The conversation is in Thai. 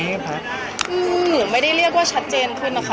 คือไม่ได้เรียกว่าชัดเจนขึ้นนะคะ